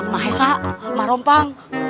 mahesa mah rompang